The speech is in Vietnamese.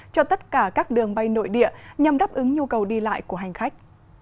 cho tất cả các đường bay nội địa nhằm đáp ứng nhu cầu đi lại của hành khách